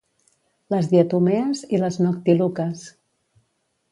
Les diatomees i les noctiluques.